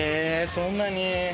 そんなに。